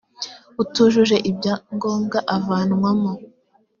utujuje ibya ngombwa avanwamo.